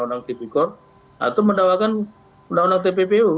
atau mendakwakan undang undang tppu